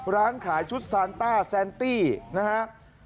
ร้านขายชุดซานต้าแซนตี้นะฮะ